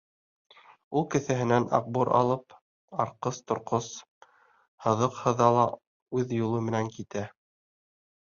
Ул кеҫәһенән аҡбур алып арҡыс-торҡос һыҙыҡ һыҙа ла үҙ юлы менән китә.